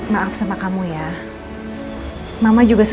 ketemu sama mama dulu ya